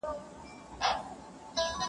په ورور تور پوري کوې په زړه خیرنه-